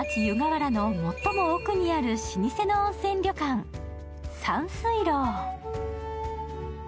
湯河原の最も奥にある老舗の温泉旅館、山翠楼。